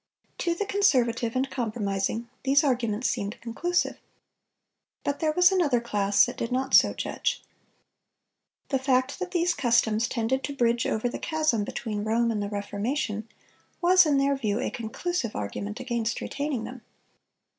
To the conservative and compromising, these arguments seemed conclusive. But there was another class that did not so judge. The fact that these customs "tended to bridge over the chasm between Rome and the Reformation,"(430) was in their view a conclusive argument against retaining them.